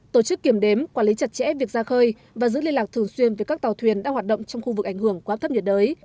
tổ chức kiểm đếm quản lý chặt chẽ việc ra khơi và giữ liên lạc thường xuyên với các tàu thuyền đang hoạt động trong khu vực ảnh hưởng của áp thấp nhiệt đới